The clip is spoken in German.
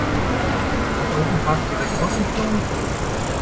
Hat Opencast Korrekturfunktionen?